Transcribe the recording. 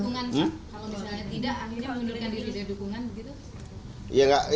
kalau misalnya tidak anginnya mengundurkan diri